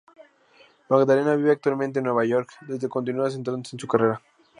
Magdalena vive actualmente en Nueva York, donde continúa centrándose en su carrera.